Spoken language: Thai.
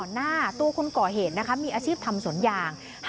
หน้าตัวคนก่อเหตุมีอาชีพทำสนอย่าง